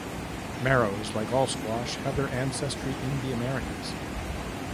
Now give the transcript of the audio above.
Marrows, like all squash, have their ancestry in the Americas.